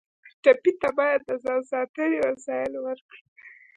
ټپي ته باید د ځان ساتنې وسایل ورکړو.